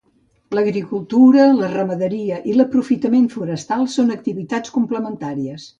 L'agricultura, la ramaderia i l'aprofitament forestal són activitats complementàries.